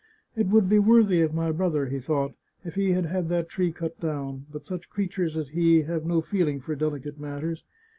" It would be worthy of my brother," he thought, " if he had had that tree cut down ; but such creatures as he have no feeling for delicate matters.